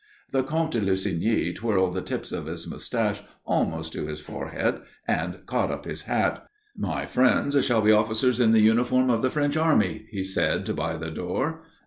The Comte de Lussigny twirled the tips of his moustache almost to his forehead and caught up his hat. "My friends shall be officers in the uniform of the French Army," he said, by the door.